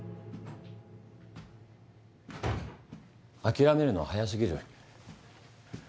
諦めるのは早すぎる。